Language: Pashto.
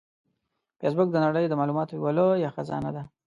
فېسبوک د نړۍ د معلوماتو یوه لویه خزانه ده